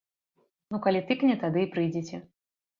Ну калі тыкне, тады і прыйдзеце.